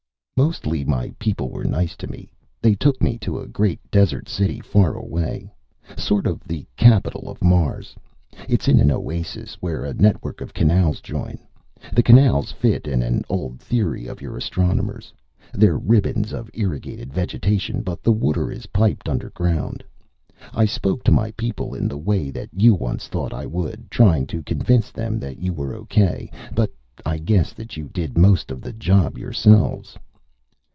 "Mostly my people were nice to me. They took me to a great desert city, far away. Sort of the capital of Mars. It's in an 'oasis' where a network of 'canals' join. The canals fit an old theory of your astronomers. They're ribbons of irrigated vegetation. But the water is piped underground. I spoke to my people in the way that you once thought I would, trying to convince them that you were okay. But I guess that you did most of the job yourselves."